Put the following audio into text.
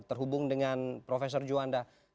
terhubung dengan profesor juwanda